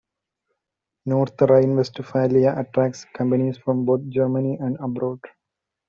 North Rhine-Westphalia attracts companies from both Germany and abroad.